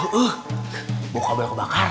uh bau kabel kebakar